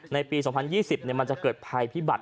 ในปี๒๐๒๐มันจะเกิดภัยพิบัติ